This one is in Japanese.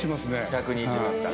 １２０だったら。